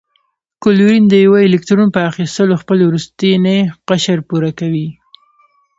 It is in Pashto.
کلورین د یوه الکترون په اخیستلو خپل وروستنی قشر پوره کوي.